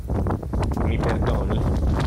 Mi perdoni.